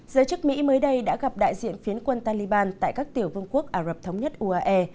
giới chức mỹ mới đây đã gặp đại diện phiến quân taliban tại các tiểu vương quốc ả rập thống nhất uae